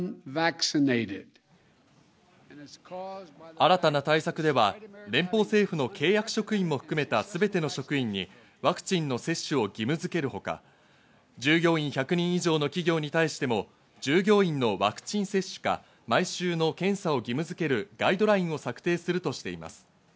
新たな対策では連邦政府の契約職員も含めた全ての職員にワクチンの接種を義務づけるほか、従業員１００人以上の企業に対しても従業員のワクチン接種か、毎週の検査を義務づけるガイドラインを策定するとしています。